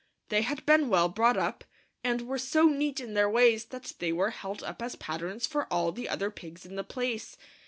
They had been well brought up, and were so neat in their ways that they were held up as patterns for all the other pigs in the place.